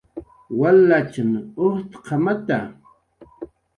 Walachn ujtqamata